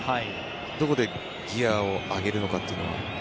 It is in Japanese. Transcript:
どこでギアを上げるのかというのは。